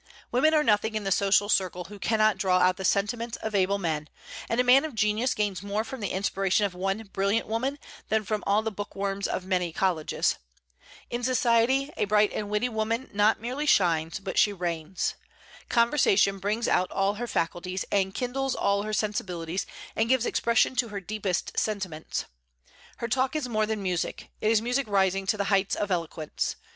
Women are nothing in the social circle who cannot draw out the sentiments of able men; and a man of genius gains more from the inspiration of one brilliant woman than from all the bookworms of many colleges. In society a bright and witty woman not merely shines, but she reigns. Conversation brings out all her faculties, and kindles all her sensibilities, and gives expression to her deepest sentiments. Her talk is more than music; it is music rising to the heights of eloquence.